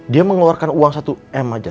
dia mengeluarkan uang satu m aja